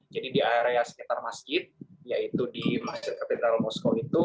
jadi di area sekitar masjid yaitu di masjid katedral moskow itu